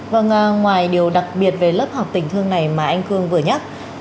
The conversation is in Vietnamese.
vâng ngoài điều đặc biệt về lớp học tình thương này mà anh cương vừa nhắc